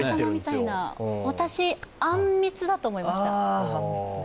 私、あんみつだと思いました。